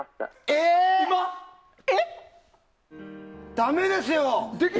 ダメですよ！